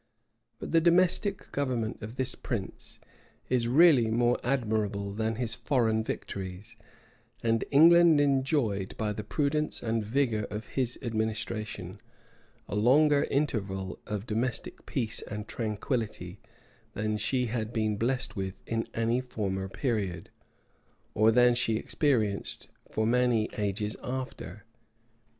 But the domestic government of this prince is really more admirable than his foreign victories; and England enjoyed, by the prudence and vigor of his administration, a longer interval of domestic peace and tranquillity than she had been blessed with in any former period, or than she experienced for many ages after.